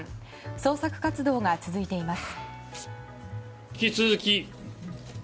捜索活動が続いています。